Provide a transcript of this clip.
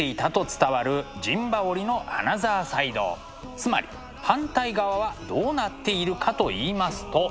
つまり反対側はどうなっているかと言いますと。